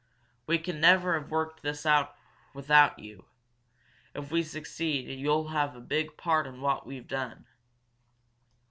"We could never have worked this out without you. If we succeed you'll have a big part in what we've done."